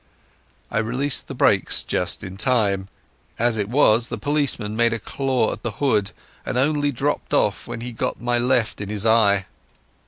I released the brakes just in time. As it was, the policeman made a claw at the hood, and only dropped off when he got my left in his eye.